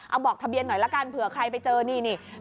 เอาบอกทะเบียนหน่อยละกันเผื่อใครไปเจอนี่นี่